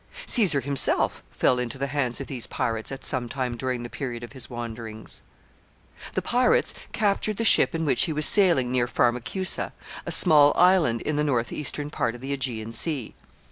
Caesar himself fell into the hands of these pirates at some time during the period of his wanderings. [Sidenote: They capture Caesar.] The pirates captured the ship in which he was sailing near Pharmacusa, a small island in the northeastern part of the Aegean Sea.